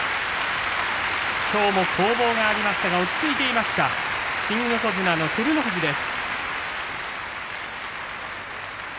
きょうも攻防がありましたが落ち着いていました新横綱の照ノ富士です。